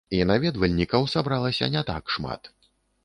І наведвальнікаў сабралася не так шмат.